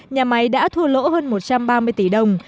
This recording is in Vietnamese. nhà máy đã thua lỗ hơn một trăm ba mươi tỷ đồng